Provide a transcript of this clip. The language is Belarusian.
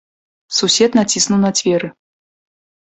Сусед націснуў на дзверы.